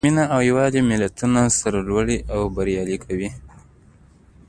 مینه او یووالی ملتونه سرلوړي او بریالي کوي.